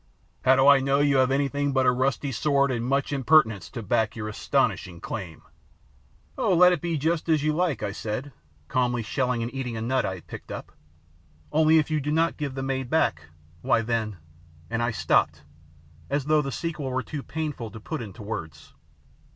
How do I know you have anything but a rusty sword and much impertinence to back your astounding claim?" "Oh, let it be just as you like," I said, calmly shelling and eating a nut I had picked up. "Only if you do not give the maid back, why, then " And I stopped as though the sequel were too painful to put into words.